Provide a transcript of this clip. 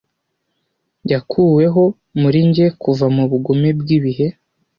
yakuweho muri njye kuva mubugome bw ibihe